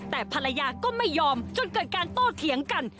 แต่ภรรยาก็ไม่ยอมจนเกิดการโต้เถียงกัน